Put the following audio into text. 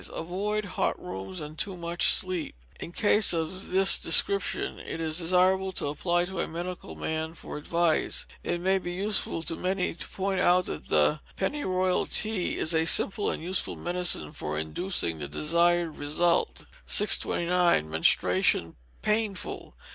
Avoid hot rooms, and too much sleep. In cases of this description it is desirable to apply to a medical man for advice. It may be useful to many to point out that pennyroyal tea is a simple and useful medicine for inducing the desired result. 629. Menstruation (Painful).